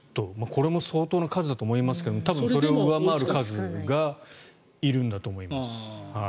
これも相当な数だと思いますけど多分それを上回る数がいるんだと思います。